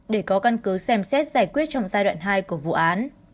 để có căn cứ xem xét giải quyết trong giai đoạn hai của vụ án